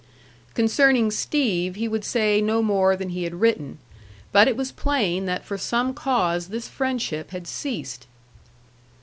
Concerning Steve he would say no more than he had written. But it was plain that for some cause this friendship had ceased.